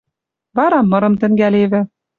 Вара мырым тӹнгӓлевӹ